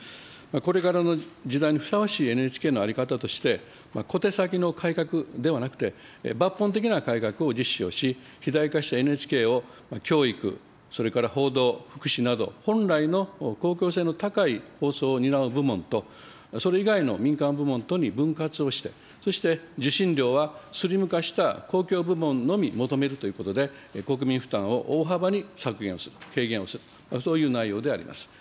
これからの時代にふさわしいＮＨＫの在り方として、小手先の改革ではなくて、抜本的な改革を実施をし、肥大化したＮＨＫを教育、それから報道、福祉など、本来の公共性の高い放送を担う部門と、それ以外の民間部門とに分割をして、そして受信料はスリム化した公共部門のみ求めるということで、国民負担を大幅に削減をする、軽減をする、そういう内容であります。